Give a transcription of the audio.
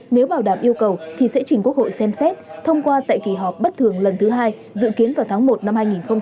nếu bảo đảm yêu cầu thì sẽ chỉnh quốc hội xem xét thông qua tại kỳ họp bất thường lần thứ hai dự kiến vào tháng một năm hai nghìn hai mươi